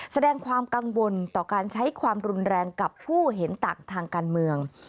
แสดงความกังวลต่อการใช้ความรุนแรงกับผู้เห็นต่างทางการเมือง